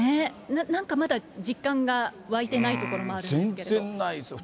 なんかまだ実感が湧いてないところもあるんですけども。